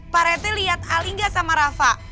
pak rete liat ali gak sama rafa